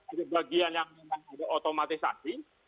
ada bagian yang memang ada otomatisasi